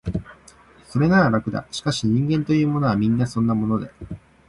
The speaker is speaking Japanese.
それなら、楽だ、しかし、人間というものは、皆そんなもので、